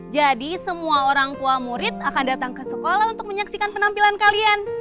semua orang tua murid akan datang ke sekolah untuk menyaksikan penampilan kalian